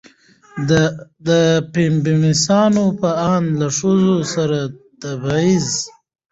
د فيمينستانو په اند له ښځو سره تبعيض